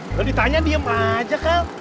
udah ditanya diem aja kak